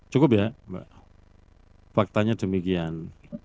cukup ya mbak faktanya demikian